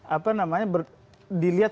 apa namanya dilihat